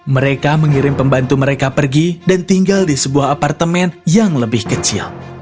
mereka mengirim pembantu mereka pergi dan tinggal di sebuah apartemen yang lebih kecil